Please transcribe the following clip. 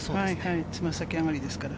爪先上がりですから。